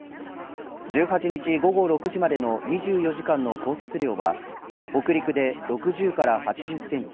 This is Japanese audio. １８日午後６時までの２４時間の降雪量は北陸で６０から８０センチ